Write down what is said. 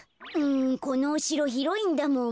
このおしろひろいんだもん。